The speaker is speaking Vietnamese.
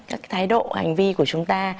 các thái độ hành vi của chúng ta